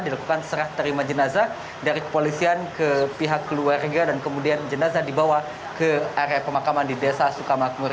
dilakukan serah terima jenazah dari kepolisian ke pihak keluarga dan kemudian jenazah dibawa ke area pemakaman di desa sukamakmur